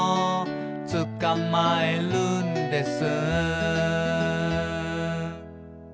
「つかまえるんです」